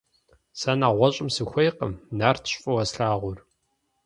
Сэ нэгъуэщӏым сыхуейкъым, Нартщ фӏыуэ слъагъур.